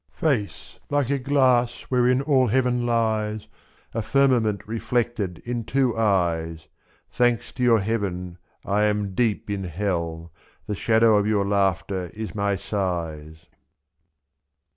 Face like a glass wherein all heaven lieSy A firmament reflected in two eyes, / 8 s . Thanks to your heaven I am deep in hell. The shadow of your laughter is my sighs.